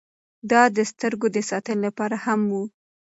دا د سترګو د ساتنې لپاره هم و.